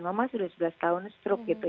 memang sudah sebelas tahun stroke gitu